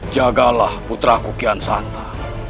jagalah putraku kianshanta